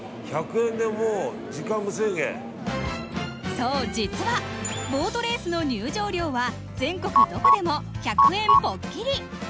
そう、実はボートレースの入場料は、全国どこでも１００円ぽっきり。